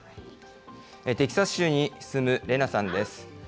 テキサス州に住むレナさんです。